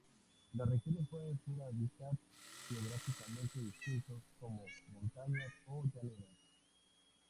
Las regiones pueden ser hábitats geográficamente distintos, como montañas o llanuras.